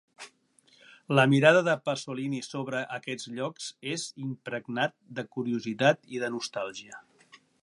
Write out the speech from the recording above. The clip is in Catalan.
La mirada de Pasolini sobre aquests llocs és impregnat de curiositat i de nostàlgia.